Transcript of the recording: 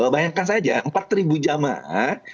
bayangkan saja empat ribu jama'ah